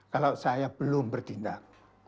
kalau saya belum bertindak